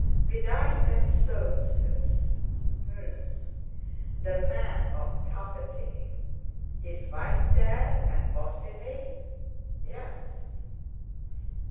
"We dined at Soames's." "H'm! the man of property! His wife there and Bosinney?" "Yes."